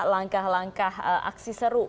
langkah langkah aksi seru